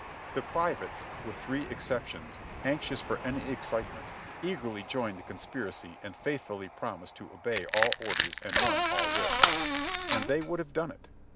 The privates, with three exceptions, anxious for any excite ment, eagerly joined the conspiracy and faithfully promised to obey all orders and run all risks ; and they would have done it.